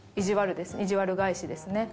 いじわる返しですね。